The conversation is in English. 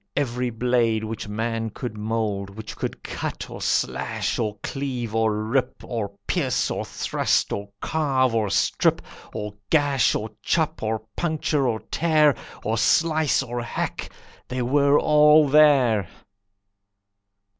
Every blade which man could mould, Which could cut, or slash, or cleave, or rip, Or pierce, or thrust, or carve, or strip, Or gash, or chop, or puncture, or tear, Or slice, or hack, they all were there.